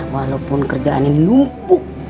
walaupun kerjaannya numpuk